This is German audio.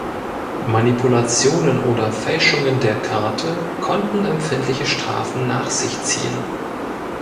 Manipulationen oder Fälschungen der Karte konnten empfindliche Strafen nach sich ziehen.